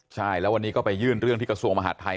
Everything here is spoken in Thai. ตายแล้ววันนี้ก็ไปยื่นเรื่องพระเศรษฐ์ส่วนมหาทไทย